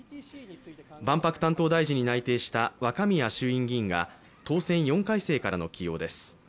万博担当大臣に内定した若宮衆議院議員が当選４回生からの起用です。